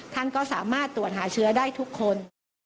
ท่านก็สามารถตรวจหาเชื้อได้ทุกคน